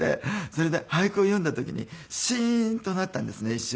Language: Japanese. それで俳句を詠んだ時にシーンとなったんですね一瞬。